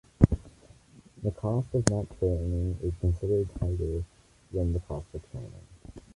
The cost of not training is considered higher than the cost of training.